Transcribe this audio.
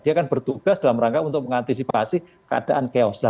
dia akan bertugas dalam rangka untuk mengantisipasi keadaan chaos